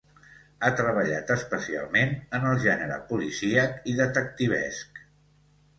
Ha treballat especialment en el gènere policíac i detectivesc.